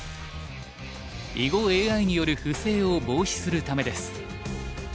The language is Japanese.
囲碁ＡＩによる不正を防止するためです。